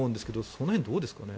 その辺はどうですかね？